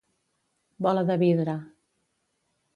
Bola de vidre.